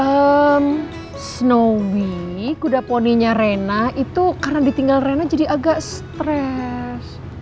ehm snowy kuda poninya rena itu karena ditinggal rena jadi agak stress